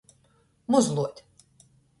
Muzluot.